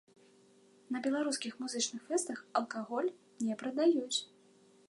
На беларускіх музычных фэстах алкаголь не прадаюць.